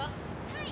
・「はい」